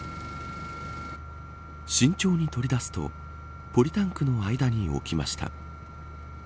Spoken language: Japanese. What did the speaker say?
慎重に取り出すとポリタンクの間に置きました。